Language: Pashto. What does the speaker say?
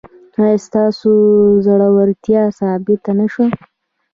ایا ستاسو زړورتیا ثابته نه شوه؟